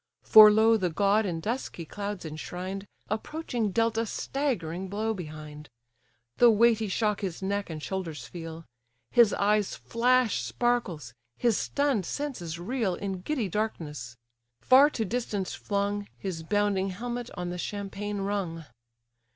For lo! the god in dusky clouds enshrined, Approaching dealt a staggering blow behind. The weighty shock his neck and shoulders feel; His eyes flash sparkles, his stunn'd senses reel In giddy darkness; far to distance flung, His bounding helmet on the champaign rung.